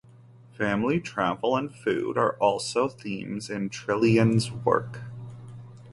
Family, travel and food are also themes in Trillin's work.